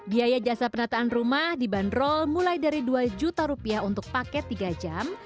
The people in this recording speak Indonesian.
biaya jasa penataan rumah dibanderol mulai dari dua juta rupiah untuk paket tiga jam